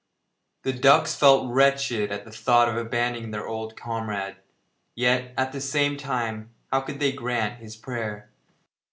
The ducks felt wretched at the thought of abandoning their old comrade, yet, at the same time, how could they grant his prayer?